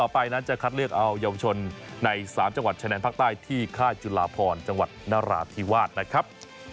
ภาคใต้ที่ค่ายจุฬาพรจังหวัดนราธิวาสนะครับ